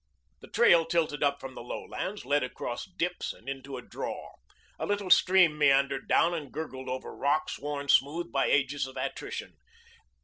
The trail tilted up from the lowlands, led across dips, and into a draw. A little stream meandered down and gurgled over rocks worn smooth by ages of attrition.